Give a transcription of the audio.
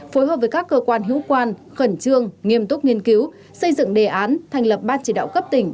phối hợp với các cơ quan hữu quan khẩn trương nghiêm túc nghiên cứu xây dựng đề án thành lập ban chỉ đạo cấp tỉnh